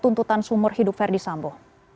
tuntutan seumur hidup verdi sambo